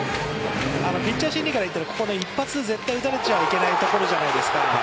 ピッチャー心理から言ったらここで一発絶対打たれちゃいけないところじゃないですか。